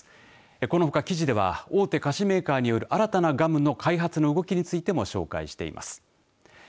このほか記事では大手菓子メーカーによる新たなガムの開発の動きについても紹介しています。